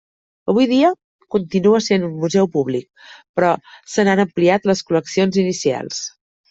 Avui dia, continua sent un museu públic, però se n'han ampliat les col·leccions inicials.